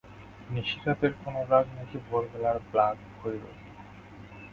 নিশিরাতের কোনো রাগ, নাকি ভোরবেলার ব্লাগ ভৈরবী?